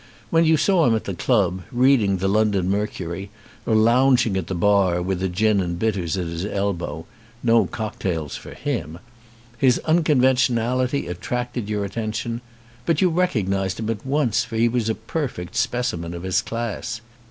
When you saw him at the club, reading The London Mercury or lounging at the bar with a gin and bitters at his elbow (no cocktails for him) his unconventionality attracted your attention; but you recognised him at once, for he was a perfect specimen of his class.